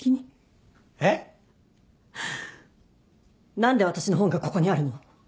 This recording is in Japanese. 何で私の本がここにあるの？